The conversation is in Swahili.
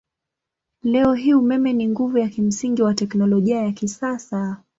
Leo hii umeme ni nguvu ya kimsingi wa teknolojia ya kisasa.